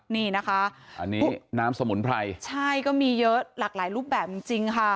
นี่นะคะอันนี้น้ำสมุนไพรใช่ก็มีเยอะหลากหลายรูปแบบจริงจริงค่ะ